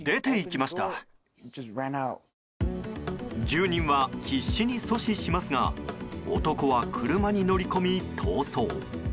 住人は必死に阻止しますが男は車に乗り込み逃走。